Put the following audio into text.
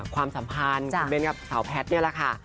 ความสัมพันธ์คุณเบ้นกับสาวแพทย์นี่แหละค่ะ